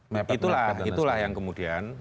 mepet itulah yang kemudian